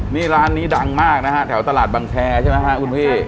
นี่ร้านนี้ดังมากนะฮะแถวตลาดบังแคร์ใช่ไหมฮะคุณพี่